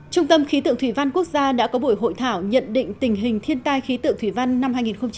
trung tâm khí tượng thủy văn quốc gia đã có buổi hội thảo nhận định tình hình thiên tai khí tượng thủy văn năm hai nghìn một mươi chín